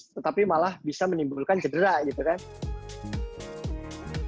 tetapi malah bisa menimbulkan cedera gitu kan